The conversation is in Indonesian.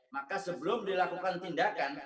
maka sebelum dilakukan tindakan